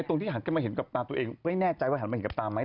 ตรงที่หันกลับมาเห็นกับตาตัวเองไม่แน่ใจว่าหันมาเห็นกับตาไหม